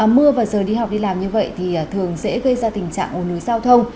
mưa và giờ đi học đi làm như vậy thì thường dễ gây ra tình trạng ồn núi giao thông